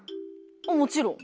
もちろん。